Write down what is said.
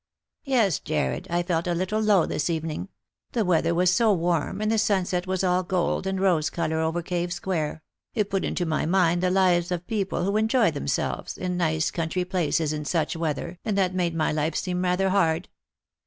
"Yes, Jarred; I felt a little low this evening. The weather was so warm, and the sunset was all gold and rose colour over Cave square ; it put into my mind the lives of people who enjoy themselves in nice country places in such weather, and that made my life seem rather hard.